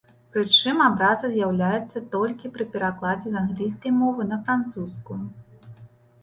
Прычым абраза з'яўляецца толькі пры перакладзе з англійскай мовы на французскую.